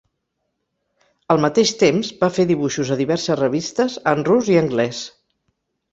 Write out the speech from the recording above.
Al mateix temps, va fer dibuixos a diverses revistes en rus i anglès.